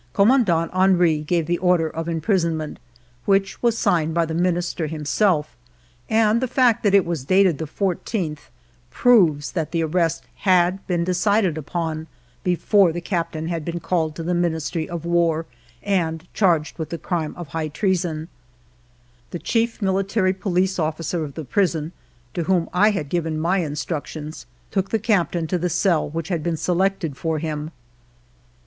Commandant Henry gave the order of imprisonment, which was signed by the Minister himself, and the fact that it was dated the 14th proves that the arrest had been decided upon before the Captain 42 FIVE YEARS OF MY LIFE had been called to the Ministry of War and charged with the crime of high treason. The chief military police officer of the prison, to whom I had given my instructions, took the Captain to the cell which had been selected for him.